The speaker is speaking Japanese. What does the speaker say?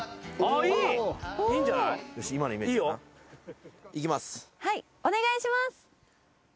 はいお願いします。